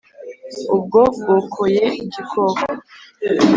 ubwo bwokoye gikoko